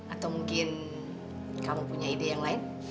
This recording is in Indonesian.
atau mungkin kamu punya ide yang lain